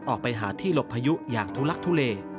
ออกไปหาที่หลบพายุอย่างทุลักทุเล